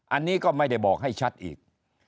อันนี้ก็ไม่ได้บอกให้ชัดอีก